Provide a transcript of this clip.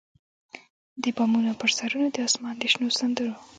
د بامونو پر سرونو د اسمان د شنو سندرو،